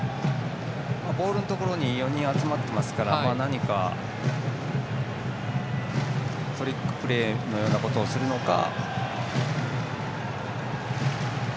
ボールのところに４人集まっていますから何かトリックプレーのようなことをするのか。